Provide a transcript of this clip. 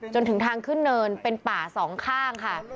จนถึงทางขึ้นเนินเป็นป่าสองข้างค่ะ